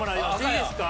いいですか？